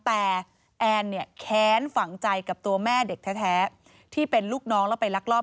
แต่แอนเนี่ยแค้นฝังใจกับตัวแม่เด็กแท้ที่เป็นลูกน้องแล้วไปลักลอบ